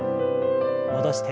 戻して。